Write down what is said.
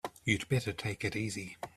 You'd better take it easy.